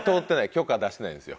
許可出してないんですよ。